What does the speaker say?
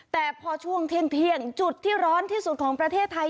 แต่พอช่วงเที่ยงจุดที่ร้อนที่สุดของประเทศไทย